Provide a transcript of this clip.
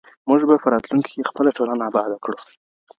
موږ به په راتلونکي کي خپله ټولنه اباده کړو.